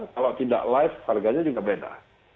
kalau tidak live harganya juga beda